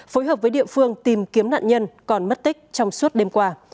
phối hợp với địa phương tìm kiếm nạn nhân còn mất tích trong suốt đêm qua